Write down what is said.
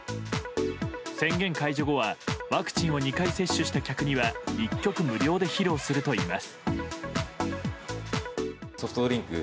宣言解除後はワクチンを２回接種した客には１曲無料で披露するといいます。